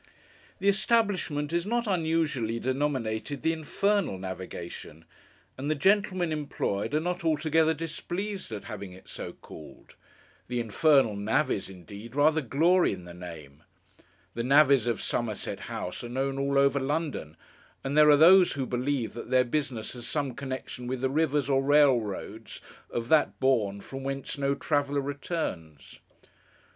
The establishment is not unusually denominated the 'Infernal Navigation', and the gentlemen employed are not altogether displeased at having it so called. The 'Infernal Navvies', indeed, rather glory in the name. The navvies of Somerset House are known all over London, and there are those who believe that their business has some connexion with the rivers or railroads of that bourne from whence no traveller returns.